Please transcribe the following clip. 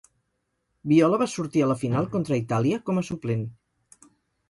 Viola va sortir a la final contra Itàlia com a suplent.